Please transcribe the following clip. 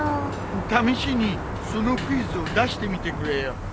試しにそのクイズを出してみてくれよ。